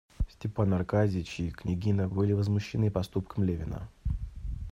Степан Аркадьич и княгиня были возмущены поступком Левина.